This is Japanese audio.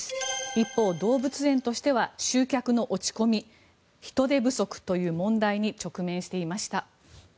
一方、動物園としては集客の落ち込み人手不足という問題に直面していました。